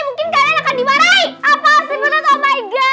apa sih butet